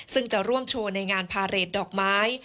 ซึ่งจะร่วมโชว์ในงานพาเรทดอกไม้